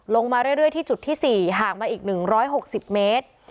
ลงมาเรื่อยเรื่อยที่จุดที่สี่ห่างมาอีกหนึ่งร้อยหกสิบเมตร